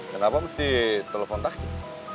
kenapa mesti telepon taksi